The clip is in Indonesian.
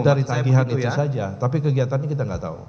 dari tagihan itu saja tapi kegiatannya kita nggak tahu